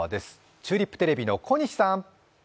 チューリップテレビの小西さん。